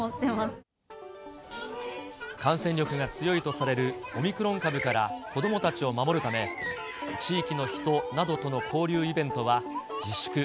感染力が強いとされるオミクロン株から子どもたちを守るため、地域の人などとの交流イベントは自粛。